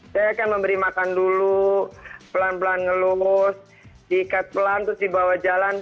saya akan memberi makan dulu pelan pelan ngelus diikat pelan terus dibawa jalan